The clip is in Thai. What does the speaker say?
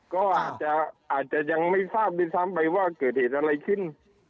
ก็อาจจะยังไม่ทราบด้วยซ้ำไปว่าเกิดเหตุอะไรขึ้น